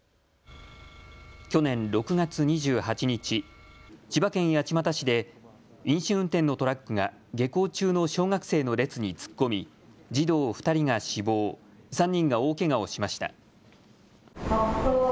去年６月２８日、千葉県八街市で飲酒運転のトラックが下校中の小学生の列に突っ込み児童２人が死亡、３人が大けがをしました。